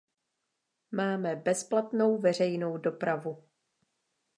Máme bezplatnou veřejnou dopravu.